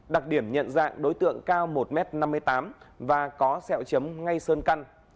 đặc điểm nhận dạng đối tượng cao một m năm mươi tám và có sẹo chấm ngay sơn căn